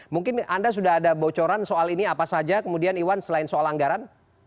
mungkin anda sudah ada bocoran soal ini apa saja kemudian iwan selain soal anggaran